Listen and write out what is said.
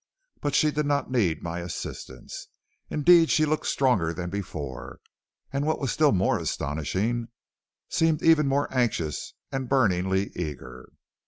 But she did not need my assistance. Indeed she looked stronger than before, and what was still more astonishing, seemed even more anxious and burningly eager.